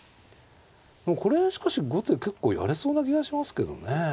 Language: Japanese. これはしかし後手結構やれそうな気がしますけどね。